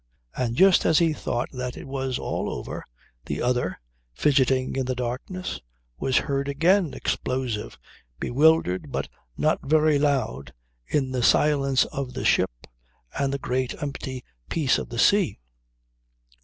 And just as he thought that it was all over, the other, fidgeting in the darkness, was heard again explosive, bewildered but not very loud in the silence of the ship and the great empty peace of the sea.